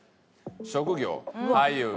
「職業俳優」